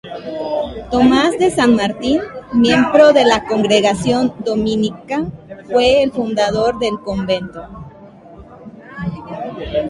Tomás de San Martín, miembro de la Congregación Dominica, fue el fundador del Convento.